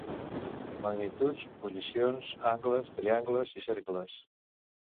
Magnituds, posicions, angles, triangles i cercles.